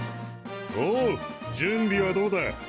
おう準備はどうだ？